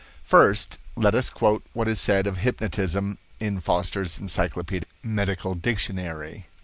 First let us quote what is said of hypnotism in Foster's Encyclopedic Medical Dictionary.